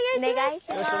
お願いします。